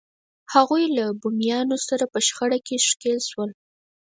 هغوی له بومیانو سره په شخړه کې ښکېل شول.